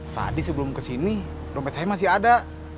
tadi sebelum kesini dompet saya masih ada